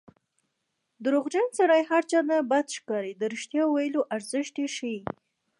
دروغجن سړی هر چا ته بد ښکاري د رښتیا ویلو ارزښت ښيي